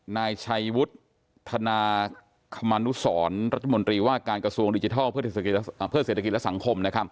นายชัยวุฒิธนาคมนุสรรัฐมนตรีว่าการกระทรวงดิจิทัลเพื่อเศรษฐกิจและสังคม